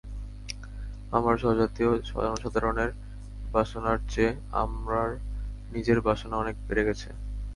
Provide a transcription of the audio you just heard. আমার স্বজাতীয় জনসাধারণের বাসনার চেয়ে আমার নিজের বাসনা অনেক বেড়ে গেছে।